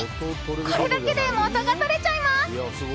これだけで元がとれちゃいます。